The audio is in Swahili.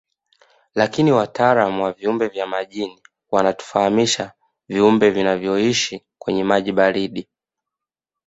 Lakini wataalamu wa viumbe vya majini wanatufahamisha viumbe vinavyoishi kwenye maji baridi